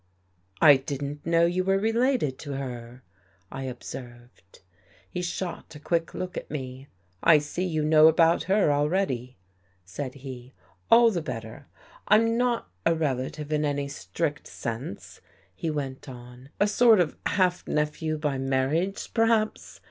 " I didn't know you were related to her," I ob served. He shot a quick look at me. " I see you know about her already," said he. " All the better. I'm not a relative in any strict sense," he went on. " A sort of half nephew by marriage, perhaps.